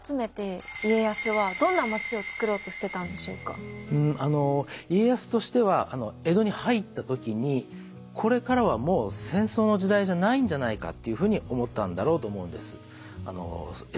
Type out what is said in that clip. そんな人材を集めてあの家康としては江戸に入った時にこれからはもう戦争の時代じゃないんじゃないかっていうふうに思ったんだろうと思うんです。